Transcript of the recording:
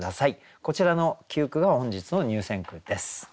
こちらの９句が本日の入選句です。